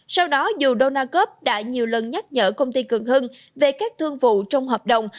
sau đó dù đô na cóc đã nhiều lần nhắc nhở công ty cường hưng về các thương vụ trong hợp đồng